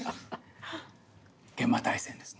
「幻魔大戦」ですね。